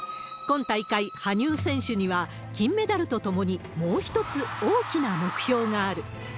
今大会、羽生選手には金メダルとともにもう一つ大きな目標がある。